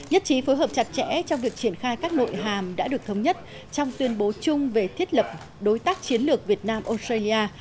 nhất trí phối hợp chặt chẽ trong việc triển khai các nội hàm đã được thống nhất trong tuyên bố chung về thiết lập đối tác chiến lược việt nam australia